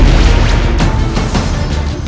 aku akan pergi ke istana yang lain